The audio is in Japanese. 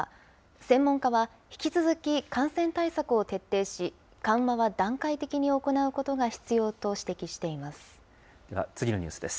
専門家は、引き続き感染対策を徹底し、緩和は段階的に行うことが必要と指摘しています。